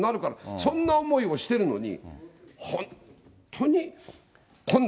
そんな思いをしてるのに。